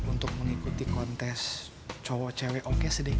untuk mengikuti kontes cowok cewek oks dki pak